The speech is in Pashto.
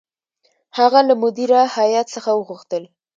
هغه له مدیره هیات څخه وغوښتل.